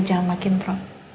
jangan makin pro